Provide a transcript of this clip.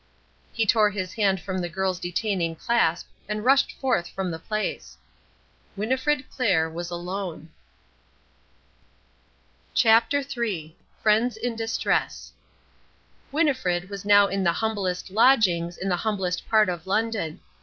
He tore his hand from the girl's detaining clasp and rushed forth from the place. Winnifred Clair was alone. CHAPTER III FRIENDS IN DISTRESS Winnifred was now in the humblest lodgings in the humblest part of London.